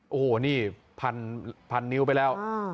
โอ้โหนี่พันนิ้วไปแล้ว